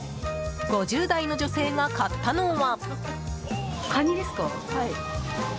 ５０代の女性が買ったのは。